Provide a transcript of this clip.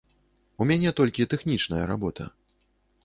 У мяне толькі тэхнічная работа.